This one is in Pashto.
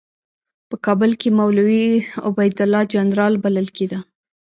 په کابل کې مولوي عبیدالله جنرال بلل کېده.